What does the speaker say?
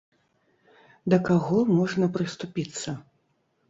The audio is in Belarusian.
Да каго можна прыступіцца?